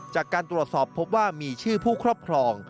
จากการตรวจสอบพบว่ามีชื่อผู้ครอบครอง